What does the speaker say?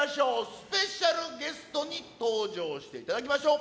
スペシャルゲストに登場していただきましょう。